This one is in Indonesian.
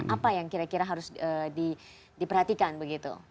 apa yang kira kira harus diperhatikan begitu